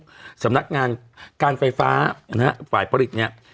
สำนักงานการไฟฟ้านะฮะฝ่ายผลิตเนี่ย